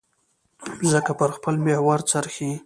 مځکه پر خپل محور څرخي.